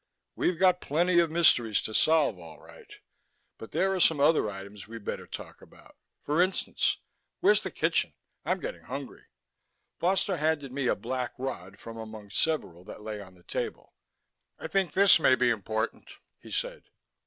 "We've got plenty of mysteries to solve, all right, but there are some other items we'd better talk about. For instance: where's the kitchen? I'm getting hungry." Foster handed me a black rod from among several that lay on the table. "I think this may be important," he said.